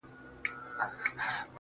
دا نن چي زه داسې درگورمه مخ نه اړوم~